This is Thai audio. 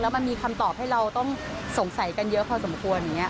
มันมีคำตอบให้เราต้องสงสัยกันเยอะพอสมควรอย่างนี้